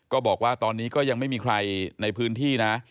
ก็บอกว่าตอนนี้ก็ยังไม่มีใครในพื้นที่นะ